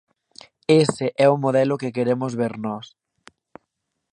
Ese é o modelo que queremos ver nós.